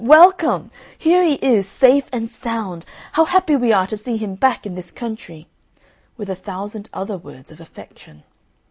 welcome! Here he is, safe and sound, how happy we are to see him back in this country," with a thousand other words of affection.